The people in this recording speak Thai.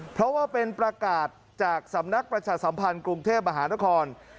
เพราะว่าเป็นประกาศจากสำนักประชาสัมพันธ์กรุงเทพมหานคร